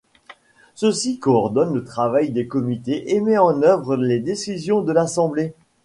Celui-ci coordonne le travail des comités et met en œuvre les décisions de l'Assemblée.